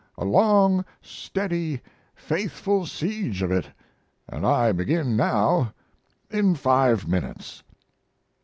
"A long, steady, faithful siege of it, and I begin now in five minutes."